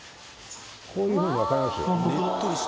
こういうふうに分かります？